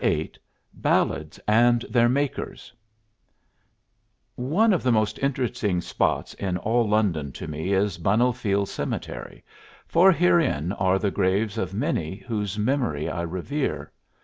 VIII BALLADS AND THEIR MAKERS One of the most interesting spots in all London to me is Bunhill Fields cemetery, for herein are the graves of many whose memory I revere.